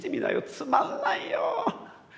つまんないよぉ。